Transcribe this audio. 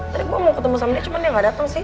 tadi gue mau ketemu sama dia cuma ya nggak datang sih